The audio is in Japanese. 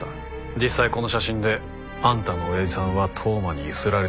実際この写真であんたの親父さんは当麻にゆすられてるな？